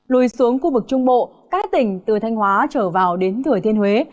lùi xuống khu vực trung bộ các tỉnh từ thanh hóa trở vào đến thừa thiên huế